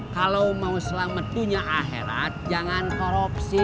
kalau mau selamat punya akhirat jangan korupsi